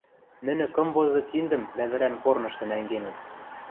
Нӹнӹ кым возы киндӹм лявӹрӓн корнышты нӓнгенӹт.